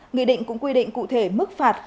nghị định cũng quy định cụ thể mức phạt